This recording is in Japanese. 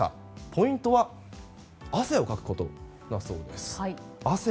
ポイントは汗をかくことだそうです。